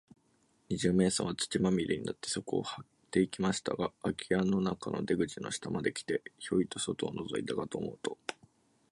二十面相は、土まみれになって、そこをはっていきましたが、あき家の中の出口の下まで来て、ヒョイと外をのぞいたかと思うと、